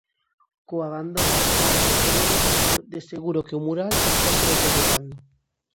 Co abandono actual de todo edificio, de seguro que o mural estase deteriorando.